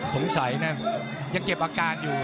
สงสัยนะยังเก็บอาการอยู่